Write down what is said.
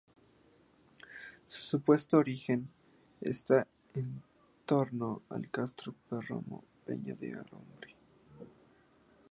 Su supuesto origen, está en torno al castro prerromano Peña del Hombre.